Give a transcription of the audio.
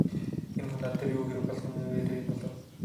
Энэ хүн над дээр юунд хэрэг болгон ирээ юм бол оо!